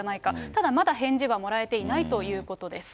ただまだ返事はもらえていないということです。